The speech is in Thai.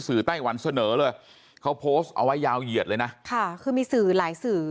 ไต้หวันเสนอเลยเขาโพสต์เอาไว้ยาวเหยียดเลยนะค่ะคือมีสื่อหลายสื่อ